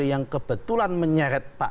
yang kebetulan menyeret